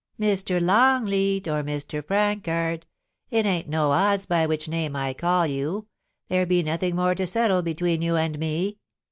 * Mr. T X)ngleat, or Mr. Prancard — it ain't no odds V which name I call you — there be nothing more to setde between you and me.